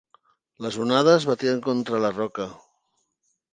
Les onades batien contra la roca.